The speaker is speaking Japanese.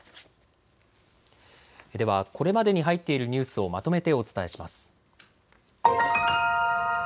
ではこれまでに入っているニュースをまとめてお伝えします。